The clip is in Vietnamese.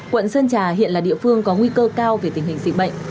quận sơn trà hiện là địa phương có nguy cơ cao về tình hình dịch bệnh